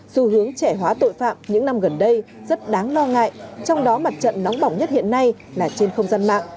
xu hướng trẻ hóa tội phạm những năm gần đây rất đáng lo ngại trong đó mặt trận nóng bỏng nhất hiện nay là trên không gian mạng